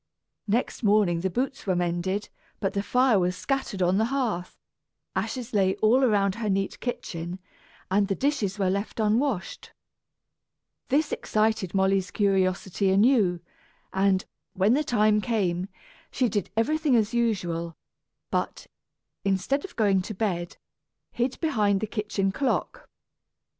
Next morning the boots were mended, but the fire was scattered on the hearth, ashes lay all about her neat kitchen, and the dishes were left unwashed. This excited Molly's curiosity anew and, when the next time came, she did everything as usual, but, instead of going to bed, hid behind the kitchen clock.